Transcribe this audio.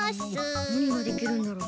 なにができるんだろう？